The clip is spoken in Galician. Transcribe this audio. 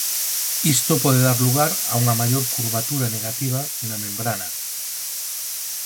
Isto pode dar lugar a unha maior curvatura negativa na membrana.